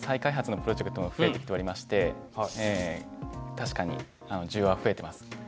確かに需要は増えてます。